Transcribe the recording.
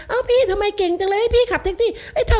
พี่ทำไมเก่งจังเลยให้พี่ขับแท็กซี่